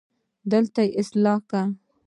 دلته يې اصلاح کړه